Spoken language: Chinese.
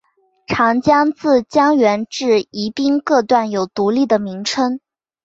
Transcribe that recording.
长江自江源至宜宾各段有独立的名称。